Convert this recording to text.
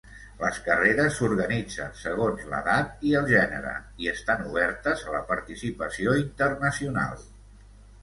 Les carreres s'organitzen segons l'edat i el gènere, i estan obertes a la participació internacional.